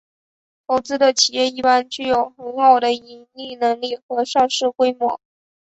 投资的企业一般具有很好的盈利能力和上市规模。